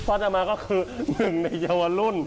พอจะมาก็คือหนึ่งในเยาวรุ่น